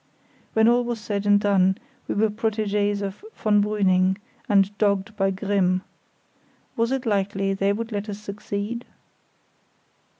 When all was said and done we were protégés of von Brüning, and dogged by Grimm. Was it likely they would let us succeed?